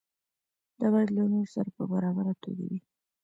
دا باید له نورو سره په برابره توګه وي.